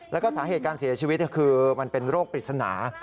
แล้วก็สาเหตุการเสียชีวิตคือมันเป็นโรคปริศนา